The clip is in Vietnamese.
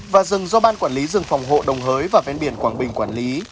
và rừng do ban quản lý rừng phòng hộ đồng hới và ven biển quảng bình quản lý